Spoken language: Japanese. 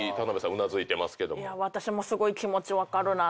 私もすごい気持ち分かるなと思って。